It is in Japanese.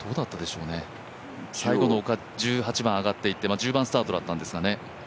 最後の丘、１８番上がっていって１０番スタートだったんですけど。